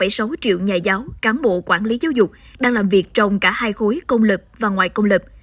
và khoảng một sáu triệu nhà giáo cán bộ quản lý giáo dục đang làm việc trong cả hai khối công lập và ngoại công lập